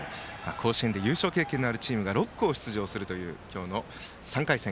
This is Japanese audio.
甲子園で優勝経験のあるチームが６校出場するという今日の３回戦。